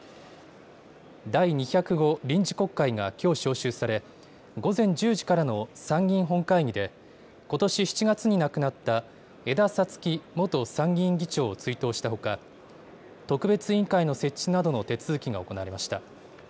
第２０５臨時国会がきょう召集され、午前１０時からの参議院本会議で、ことし７月に亡くなった江田五月元参議院議長を追悼したほか、特別委員会の設置などの手続きが行われました。